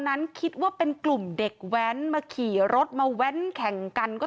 นั้นคิดว่าเป็นกลุ่มเด็กแว้นมาขี่รถมาแว้นแข่งกันก็